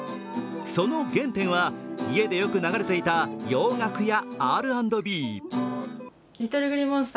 その原点は家でよく流れていた洋楽やＲ＆Ｂ。